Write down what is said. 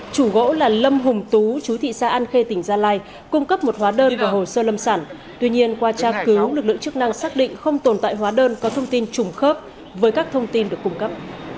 chủ gỗ là lâm hùng tú chú thị xã an khê tỉnh gia lai cung cấp một hóa đơn và hồ sơ lâm sản tuy nhiên qua tra cứu lực lượng chức năng xác định không tồn tại hóa đơn có thông tin trùng khớp với các thông tin được cung cấp